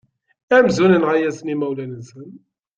Amzun nenɣa-asen imawlan-nsen.